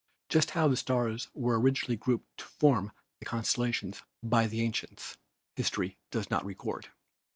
Just how the stars were originally grouped to form the constellations by the ancients history does not record.